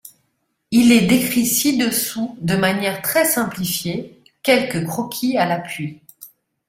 Il est décrit ci-dessous de manière très simplifiée, quelques croquis à l’appui.